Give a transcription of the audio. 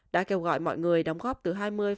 đã kêu gọi mọi người đóng góp từ hai mươi hai mươi bốn